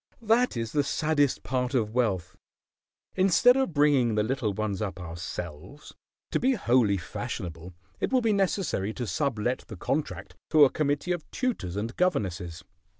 "That is the saddest part of wealth. Instead of bringing the little ones up ourselves, to be wholly fashionable it will be necessary to sublet the contract to a committee of tutors and governesses.